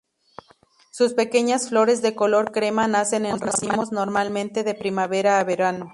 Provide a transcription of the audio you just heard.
Sus pequeñas flores de color crema nacen en racimos, normalmente de primavera a verano.